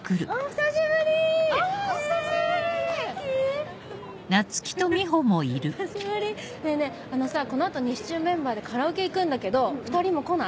久しぶりねぇねぇあのさこの後西中メンバーでカラオケ行くんだけど２人も来ない？